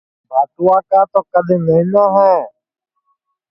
ٻگتیے کا کد نہنا ہے